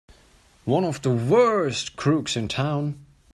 One of the worst crooks in town!